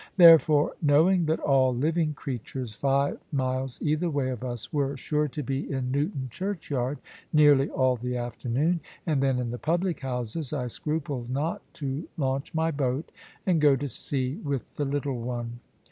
Therefore, knowing that all living creatures five miles either way of us were sure to be in Newton churchyard nearly all the afternoon, and then in the public houses, I scrupled not to launch my boat and go to sea with the little one.